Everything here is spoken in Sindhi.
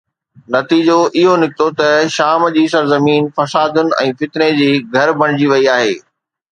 نتيجو اهو نڪتو ته شام جي سرزمين فسادن ۽ فتني جي گهر بڻجي وئي آهي.